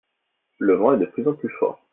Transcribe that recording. Le vent est de plus en plus fort.